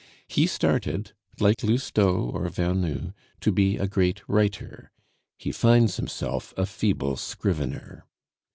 He started, like Lousteau or Vernou, to be a great writer; he finds himself a feeble scrivener.